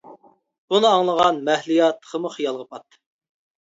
بۇنى ئاڭلىغان مەھلىيا تېخىمۇ خىيالغا پاتتى.